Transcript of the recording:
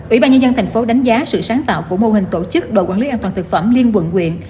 ủy ban nhân dân tp hcm đánh giá sự sáng tạo của mô hình tổ chức độ quản lý an toàn được phẩm liên quận quyện